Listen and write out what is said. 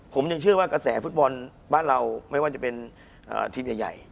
ผมยังเชื่อว่ากระแสฟุตบอลบ้านเราไม่ว่าจะเป็นทีมใหญ่